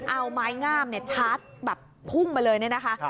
เอาไม้งามชาร์จพุ่งมาเลยนะคะ